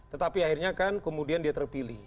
tetapi akhirnya kan kemudian dia terpilih